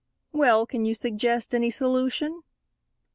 "Well, can you suggest any solution?"